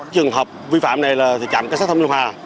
trường hợp vi phạm này là trạm cảnh sát giao thông ninh hòa